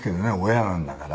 親なんだから。